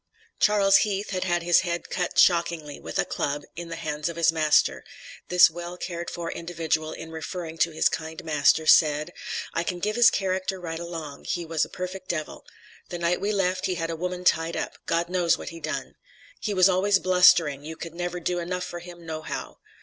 Charles Heath had had his head cut shockingly, with a club, in the hands of his master; this well cared for individual in referring to his kind master, said: "I can give his character right along, he was a perfect devil. The night we left, he had a woman tied up God knows what he done. He was always blustering, you could never do enough for him no how.